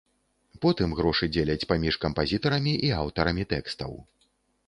Потым грошы дзеляць паміж кампазітарамі і аўтарамі тэкстаў.